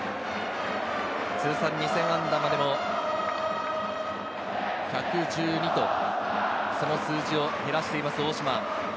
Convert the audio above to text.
通算２０００安打までも、１１２と、その数字を減らしています、大島。